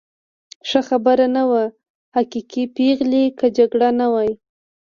ښه خبر نه و، حقیقي پېغلې، که جګړه نه وای.